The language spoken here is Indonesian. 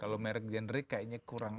kalau merk generic kayaknya kurang